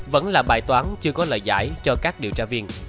vẫn là bài toán chưa có lời giải cho các điều tra viên